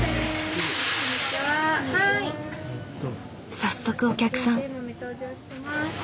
早速お客さん。